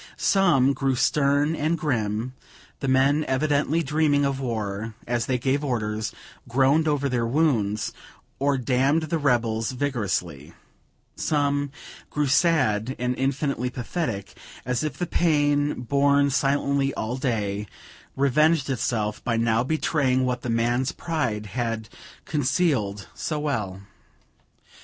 Some grew stern and grim, the men evidently dreaming of war, as they gave orders, groaned over their wounds, or damned the rebels vigorously; some grew sad and infinitely pathetic, as if the pain borne silently all day, revenged itself by now betraying what the man's pride had concealed so well.